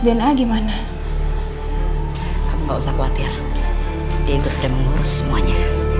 dia juga sudah mengurus semuanya